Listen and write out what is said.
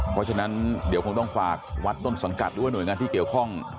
เพราะฉะนั้นเดี๋ยวคงต้องฝากวัดต้นสังกัดหรือว่าหน่วยงานที่เกี่ยวข้อง